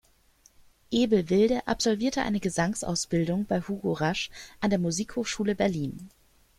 Ebel-Wilde absolvierte eine Gesangsausbildung bei Hugo Rasch an der Musikhochschule Berlin.